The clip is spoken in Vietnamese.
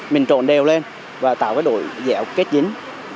mình trộn đều lên và tạo cái đội dẻo kết dính